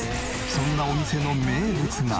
そんなお店の名物が。